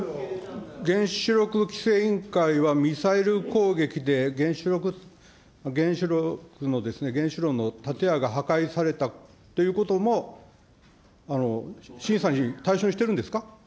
原子力規制委員会はミサイル攻撃で原子力のですね、原子炉の建屋が破壊されたっていうことも、審査の対象にしてるんですか。